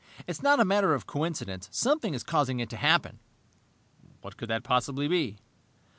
"It's not a matter of coincidence. Something is causing it to happen!" "What could that possibly be?"